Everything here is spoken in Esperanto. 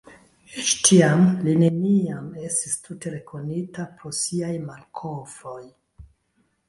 Eĉ tiam li neniam estis tute rekonita pro siaj malkovroj.